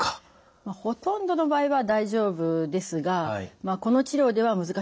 まあほとんどの場合は大丈夫ですがこの治療では難しいケースもあります。